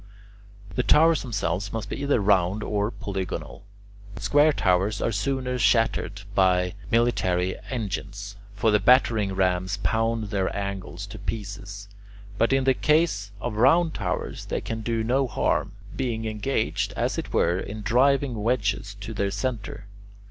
The towers themselves must be either round or polygonal. Square towers are sooner shattered by military engines, for the battering rams pound their angles to pieces; but in the case of round towers they can do no harm, being engaged, as it were, in driving wedges to their centre.